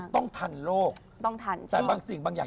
คือต้องทันโลกแต่บางสิ่งบางอย่าง